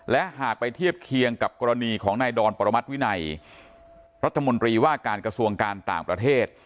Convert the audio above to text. และหากไปเทียบเคียงกับกรณีของนายดอนปรมัติวินัยรัฐมนตรีว่าการกระทรวงการต่างประเทศ